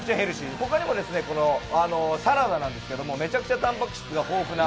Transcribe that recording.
他にもサラダなんですけど、めちゃくちゃタンパク質が豊富な。